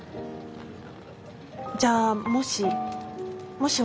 じゃあもしもし